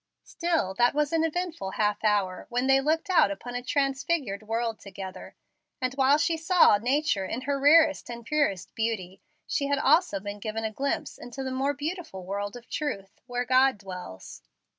Still that was an eventful half hour, when they looked out upon a transfigured world together; and while she saw nature in her rarest and purest beauty, she had also been given a glimpse into the more beautiful world of truth, where God dwells.